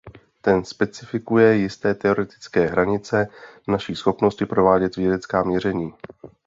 Ten specifikuje jisté teoretické hranice naší schopnosti provádět vědecká měření.